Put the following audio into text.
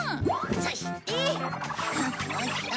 そして。